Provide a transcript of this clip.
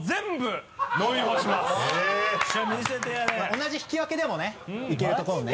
同じ引き分けでもねいけるところをね。